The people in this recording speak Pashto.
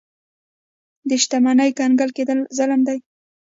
د شتمنۍ کنګل کېدل ظلم دی.